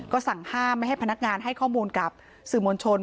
ก็สั่งห้ามไม่ให้พนักงานให้ข้อมูลกับสื่อมวลชน